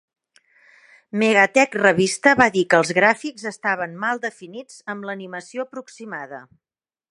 "MegaTech" revista va dir que els gràfics estaven "mal definits amb l'animació aproximada".